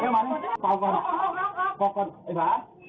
ไอ้ฟ้า